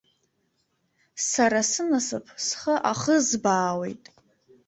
Сара сынасыԥ схы ахызбаауеит.